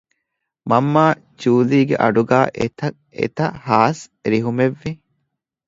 މަންމާ ޖޫލީގެ އަޑުގައި އެތަށްއެތަށް ހާސް ރިހުމެއްވި